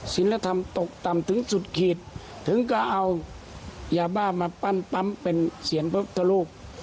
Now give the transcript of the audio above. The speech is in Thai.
ศิลธรรมตกต่ำถึงสุดขีดถึงก็เอายาบ้ามาปั้นปั๊มเป็นเสียงพระพุทธรูป